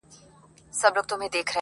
د آدب لمرجهاني دی,